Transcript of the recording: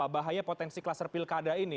bahaya potensi kluster pilkada ini